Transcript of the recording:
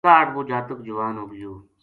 کاہڈ وہ جاتک جوان ہو گیو